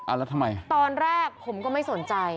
แล้วทำไมตอนแรกผมก็ไม่สนใจ